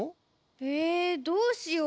えどうしよう？